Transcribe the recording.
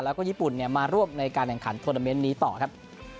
แล้วก็ญี่ปุ่นมาร่วมในการแข่งขันโทรนาเมนต์นี้ต่อครับ